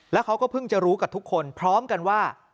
แล้วเขาก็เพิ่งจะรู้กับทุกคนพร้อมกันว่า